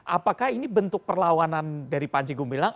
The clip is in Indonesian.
apakah ini bentuk perlawanan dari panji gumilang